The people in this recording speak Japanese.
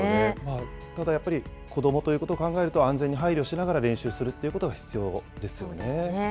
ただ、やっぱり子どもということを考えると、安全に配慮しながら練習するっていうことが必要そうですね。